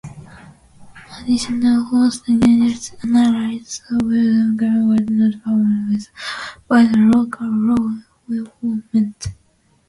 Additional forensic analysis of Willers' gun was not performed by the local law enforcement.